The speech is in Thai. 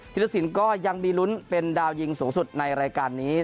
รสินก็ยังมีลุ้นเป็นดาวยิงสูงสุดในรายการนี้